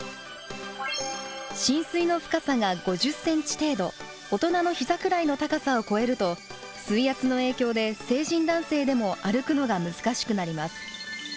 浸水の深さが５０ｃｍ程度大人の膝くらいの高さを超えると水圧の影響で成人男性でも歩くのが難しくなります。